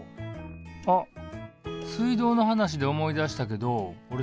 あっ水道の話で思い出したけどおれ